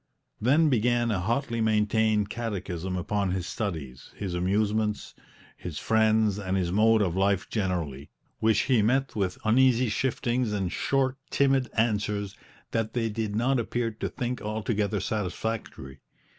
Then began a hotly maintained catechism upon his studies, his amusements, his friends and his mode of life generally, which he met with uneasy shiftings and short, timid answers that they did not appear to think altogether satisfactory.